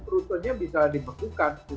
rutenya bisa dibekukan